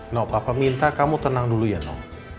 no papa minta kamu tenang dulu ya no